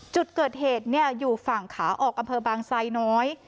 จุดเกิดเหตุอยู่ฝั่งขาออกอำเภอบางไซน้อย